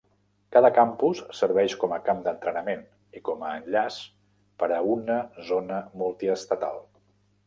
Cada campus serveix com a camp d'entrenament i com a enllaç per a una zona multiestatal.